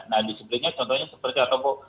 nah disiplinnya contohnya seperti apa bu